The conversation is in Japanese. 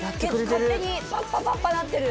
パッパパッパなってる。